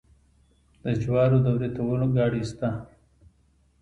د جوارو د وریتولو ګاډۍ شته.